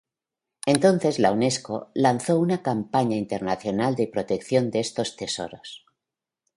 Entonces la Unesco lanzó una campaña internacional de protección de estos tesoros.